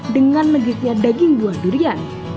dengan negeritnya daging buah durian